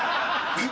えっ？